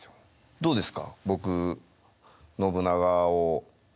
どうですか？